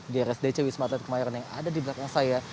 di rsdc wisma atlet kemayoran yang ada di belakang saya